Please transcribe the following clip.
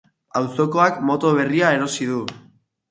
Auzokoak moto berria erosi du.